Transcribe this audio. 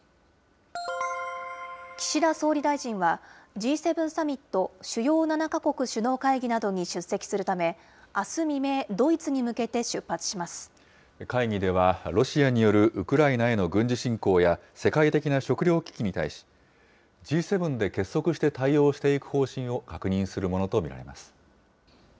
岸田総理大臣は、Ｇ７サミット・主要７か国首脳会議などに出席するため、あす未明、会議では、ロシアによるウクライナへの軍事侵攻や、世界的な食料危機に対し、Ｇ７で結束して対応していく方針を確認するものと見られます。